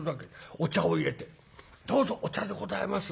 お茶をいれて「どうぞお茶でございます」。